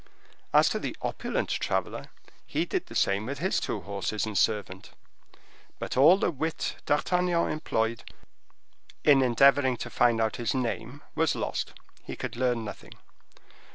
As to the opulent traveler, he did the same with his two horses and servant. But all the wit D'Artagnan employed in endeavoring to find out his name was lost—he could learn nothing.